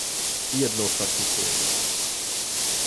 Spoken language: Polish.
Jedno ostatnie słowo